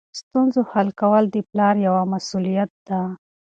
ستونزو حل کول د پلار یوه مسؤلیت ده.